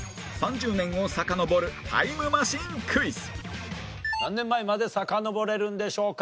３０年をさかのぼるタイムマシンクイズ何年前までさかのぼれるんでしょうか？